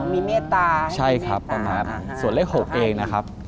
มีเมตตาให้มีเมตตาต่างใช่ครับส่วนเลข๖เองนะครับ